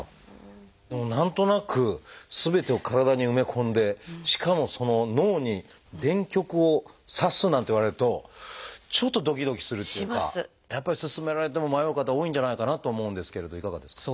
でも何となくすべてを体に埋め込んでしかも脳に電極をさすなんて言われるとちょっとどきどきするっていうかやっぱり勧められても迷う方多いんじゃないかなと思うんですけれどいかがですか？